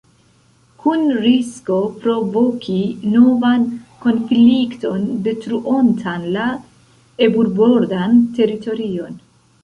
Kun risko provoki novan konflikton detruontan la eburbordan teritorion.